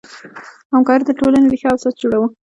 همکاري د ټولنې ریښه او اساس جوړوي.